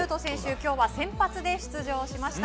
今日は先発で出場しました。